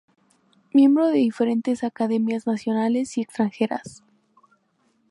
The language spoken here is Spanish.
Miembro de diferentes academias nacionales y extranjeras.